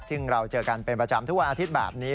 ซึ่งเราเจอกันเป็นประจำทุกวันอาทิตย์แบบนี้